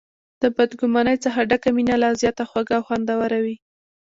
د بد ګمانۍ څخه ډکه مینه لا زیاته خوږه او خوندوره وي.